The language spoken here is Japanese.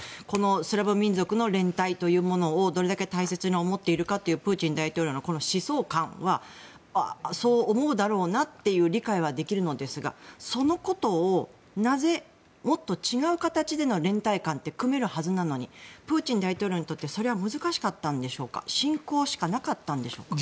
スラブ民族の連帯というものをどれだけ大切に思っているかというプーチン大統領の思想観はそう思うだろうなという理解はできるのですがなぜもっと違う形での連帯感は組めるはずなのにプーチン大統領にとってはそれは難しくて侵攻しかなかったんですか？